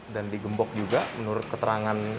dan digembok juga menurut keterangan